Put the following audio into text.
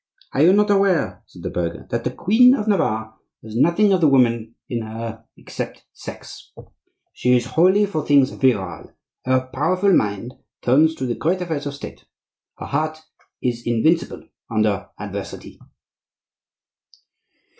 "Are you not aware," said the burgher, "that the Queen of Navarre has nothing of the woman in her except sex? She is wholly for things virile; her powerful mind turns to the great affairs of State; her heart is invincible under adversity."